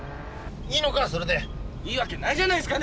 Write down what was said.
いいのかそれで？いいわけないじゃないですか。